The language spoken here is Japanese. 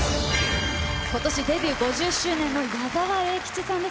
ことしデビュー５０周年の矢沢永吉さんです。